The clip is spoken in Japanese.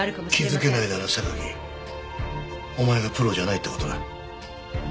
気づけないなら榊お前がプロじゃないって事だ。